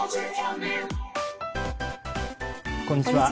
こんにちは。